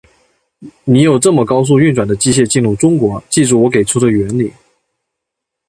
你有这么高速运转的机械进入中国，记住我给出的原理。